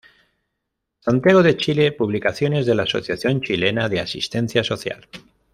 Santiago de Chile: Publicaciones de la Asociación Chilena de Asistencia Social.